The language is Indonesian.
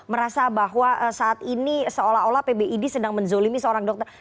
merasa bahwa saat ini seolah olah pbid sedang menzolimi seorang dokter